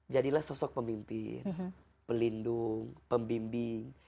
jadilah sosok pemimpin pelindung pembimbing